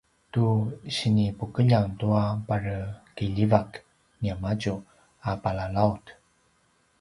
tu sinipukeljang tua parekiljivak niamadju a palalaut